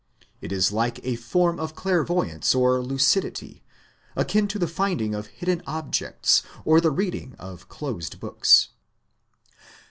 It is like a form of clairvoyance or lucidity, akin to the finding of hidden objects or the reading of closed books.